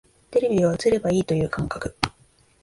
テレビは映ればいいという感覚